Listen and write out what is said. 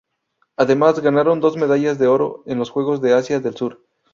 Además, ganaron dos medallas de oro en los Juegos de Asia del Sur.